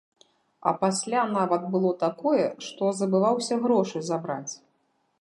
А пасля нават было такое, што забываўся грошы забраць.